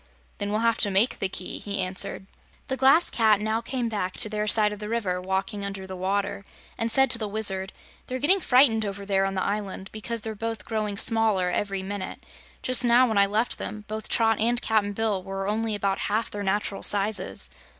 "Then we'll have to make the key," he answered. The Glass Cat now came back to their side of the river, walking under the water, and said to the Wizard: "They're getting frightened over there on the island because they're both growing smaller every minute. Just now, when I left them, both Trot and Cap'n Bill were only about half their natural sizes."